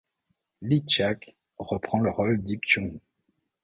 Li Chak reprend le rôle d'Ip Chun.